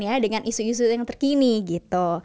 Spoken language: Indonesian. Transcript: ya dengan isu isu yang terkini gitu